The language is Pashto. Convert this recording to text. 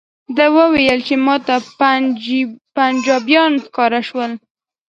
ده وویل چې ماته پنجابیان ښکاره شول.